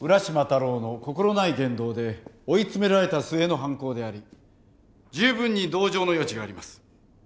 太郎の心ない言動で追い詰められた末の犯行であり十分に同情の余地があります。